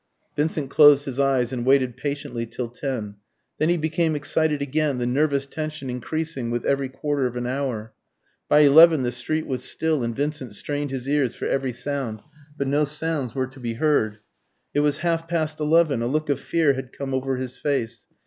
Vincent closed his eyes and waited patiently till ten. Then he became excited again, the nervous tension increasing with every quarter of an hour. By eleven the street was still, and Vincent strained his ears for every sound. But no sounds were to be heard. It was half past eleven. A look of fear had come over his face.